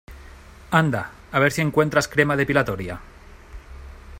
anda, a ver si encuentras crema depilatoria.